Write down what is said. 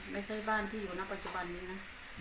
ไม่ใช่บ้านพี่อยู่นะปัจจุบันนี้นะ